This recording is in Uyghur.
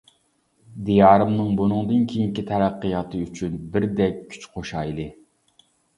دىيارىمنىڭ بۇنىڭدىن كېيىنكى تەرەققىياتى ئۈچۈن بىردەك كۈچ قوشايلى!